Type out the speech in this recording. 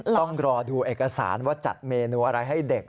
ต้องรอดูเอกสารว่าจัดเมนูอะไรให้เด็ก